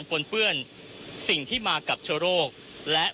คุณทัศนาควดทองเลยค่ะ